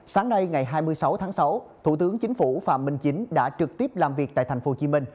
sáng nay ngày hai mươi sáu tháng sáu thủ tướng chính phủ phạm minh chính đã trực tiếp làm việc tại tp hcm